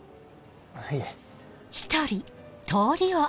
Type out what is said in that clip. いえ。